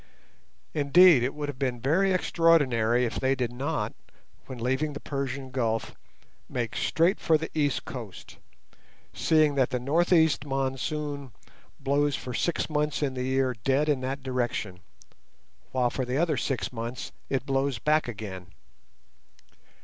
Indeed, it would have been very extraordinary if they did not, when leaving the Persian Gulf, make straight for the East Coast, seeing that the north east monsoon blows for six months in the year dead in that direction, while for the other six months it blows back again.